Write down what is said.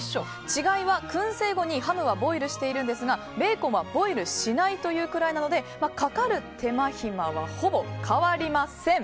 違いは薫製後にハムはボイルしているんですがベーコンはボイルしないというくらいなのでかかる手間暇はほぼ変わりません。